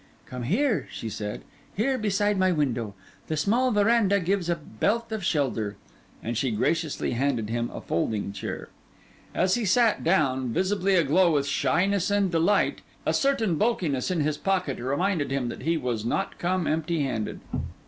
'Come here,' she said, 'here, beside my window. The small verandah gives a belt of shelter.' And she graciously handed him a folding chair. As he sat down, visibly aglow with shyness and delight, a certain bulkiness in his pocket reminded him that he was not come empty handed.